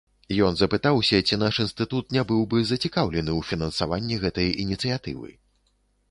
Ён запытаўся, ці наш інстытут не быў бы зацікаўлены ў фінансаванні гэтай ініцыятывы.